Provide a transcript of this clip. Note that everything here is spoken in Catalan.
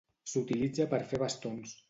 S'utilitza per fer bastons.